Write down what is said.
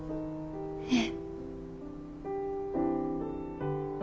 ええ。